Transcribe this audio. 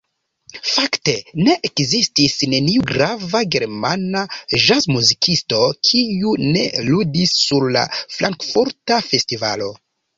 Fakte ne ekzistis neniu grava germana ĵazmuzikisto, kiu ne ludis sur la frankfurta festivalo.